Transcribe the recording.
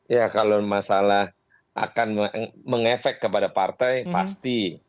ya kalau masalah akan mengefek kepada partai pasti